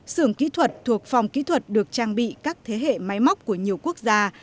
sưởng kỹ thuật thuộc phòng kỹ thuật được trang bị các thế hệ máy móc của nhiều quốc gia